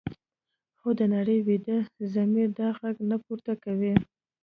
خو د نړۍ ویده ضمیر دا غږ نه پورته کوي.